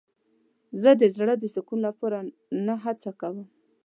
زه د زړه د سکون لپاره نه هڅه کوم.